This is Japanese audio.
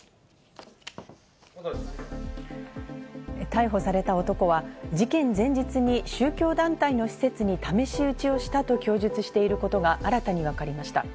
逮捕された男は事件前日に宗教団体の施設に試し撃ちをしたと供述していることが新たに分かりました。